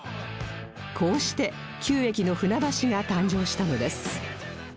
こうして９駅の船橋が誕生したのです